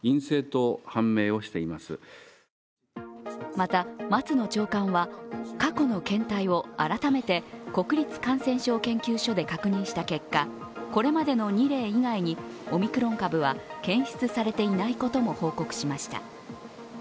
また松野長官は、過去の検体を改めて国立感染症研究所で確認した結果、これまでの２例以外にオミクロン株は検出されていないことも報告しました。